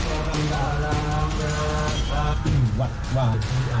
โอ้โหสั่นเลยอ่ะ